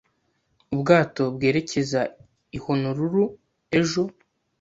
Ubwato bwerekeza i Honolulu ejo.